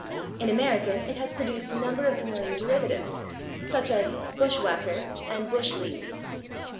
In American it has produced a number of familiar derivatives, /e. g./, /bush whacker/ and /bush league